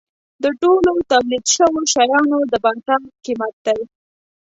د ټولو تولید شوو شیانو د بازار قیمت دی.